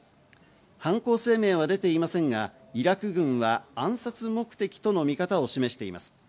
犯行声明は出ていませんが、イラク軍は暗殺目的との見方を示しています。